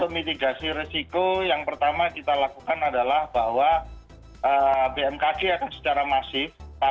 mitigasi resiko yang pertama kita lakukan adalah bahwa bmkg akan secara masif